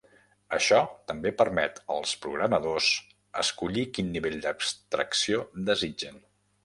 Això també permet als programadors escollir quin nivell d'abstracció desitgen.